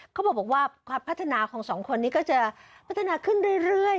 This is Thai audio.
เขาบอกว่าความพัฒนาของสองคนนี้ก็จะพัฒนาขึ้นเรื่อย